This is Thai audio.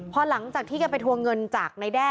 พอหลังจากที่แกไปทวงเงินจากนายแด้